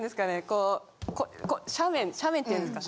こうこう斜面斜面って言うんですか